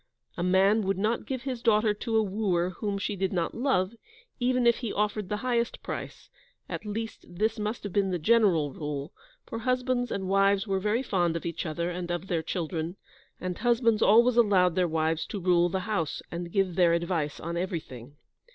A man would not give his daughter to a wooer whom she did not love, even if he offered the highest price, at least this must have been the general rule, for husbands and wives were very fond of each other, and of their children, and husbands always allowed their wives to rule the house, and give their advice on everything.